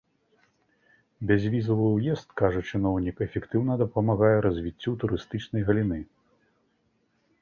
Бязвізавы ўезд, кажа чыноўнік, эфектыўна дапамагае развіццю турыстычнай галіны.